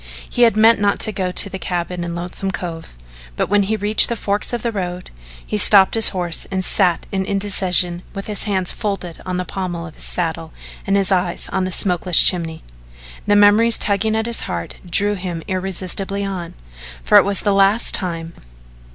He had meant not to go to the cabin in Lonesome Cove, but when he reached the forks of the road, he stopped his horse and sat in indecision with his hands folded on the pommel of his saddle and his eyes on the smokeless chimney. The memories tugging at his heart drew him irresistibly on, for it was the last time.